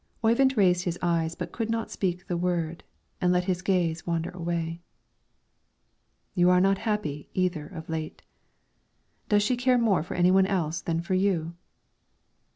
Oyvind raised his eyes but could not speak the word, and let his gaze wander away. "You are not happy, either, of late. Does she care more for any one else than for you?"